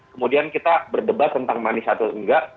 kemudian kita berdebat tentang manis atau enggak